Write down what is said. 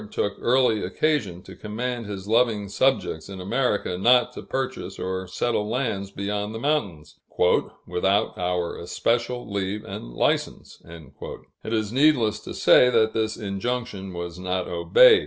took early occasion to command his "loving subjects" in America not to purchase or settle lands beyond the mountains, "without our especial leave and license." It is needless to say that this injunction was not obeyed.